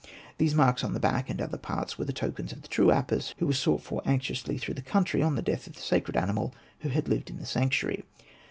These marks on the back and other parts were the tokens of the true Apis, who was sought for anxiously through the country on the death of the sacred animal who had lived in the sanctuary.